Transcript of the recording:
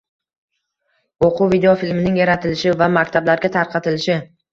– o‘quv videofilmining yaratilishi va maktablarga tarqatilishi